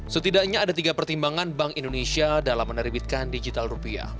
setidaknya ada tiga pertimbangan bank indonesia dalam menerbitkan digital rupiah